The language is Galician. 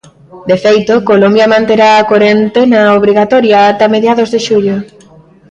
De feito, Colombia manterá a corentena obrigatoria ata mediados de xullo.